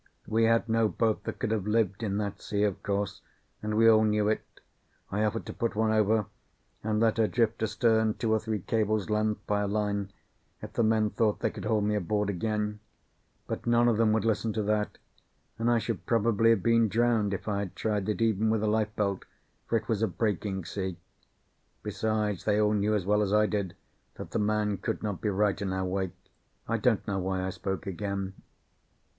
We had no boat that could have lived in that, sea, of course, and we all knew it. I offered to put one over, and let her drift astern two or three cables' lengths by a line, if the men thought they could haul me aboard again; but none of them would listen to that, and I should probably have been drowned if I had tried it, even with a life belt; for it was a breaking sea. Besides, they all knew as well as I did that the man could not be right in our wake. I don't know why I spoke again.